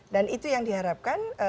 dan itu yang diharapkan